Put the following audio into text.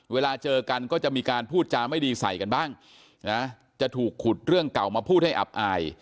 เวลาเจอกันก็จะมีการพูดจาไม่ดีใส่กันบ้างนะจะถูกขุดเรื่องเก่ามาพูดให้อับอาย